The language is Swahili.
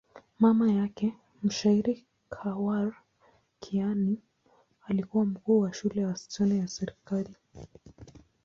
Mama yake, mshairi Khawar Kiani, alikuwa mkuu wa shule ya wasichana ya serikali.